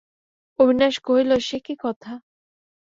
অবিনাশ কহিল, সে কী কথা!